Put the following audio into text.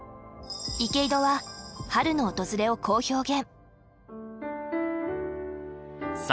池井戸は春の訪れをこう表現。